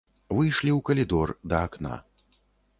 Выйшлі ў калідор, да акна.